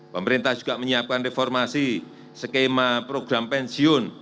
pemerintah juga menyiapkan reformasi skema program pensiun